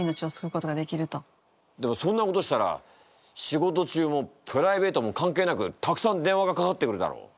だがそんなことしたら仕事中もプライベートも関係なくたくさん電話がかかってくるだろ？